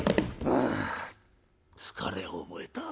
「あ疲れを覚えた。